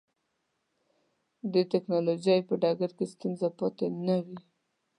د ټکنالوجۍ په ډګر کې ستونزه پاتې نه وي.